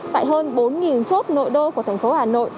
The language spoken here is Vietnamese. tại hơn bốn chốt nội đô của thành phố hà nội